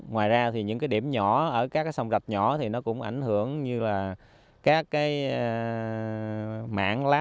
ngoài ra thì những cái điểm nhỏ ở các cái sông rạch nhỏ thì nó cũng ảnh hưởng như là các cái mạng lá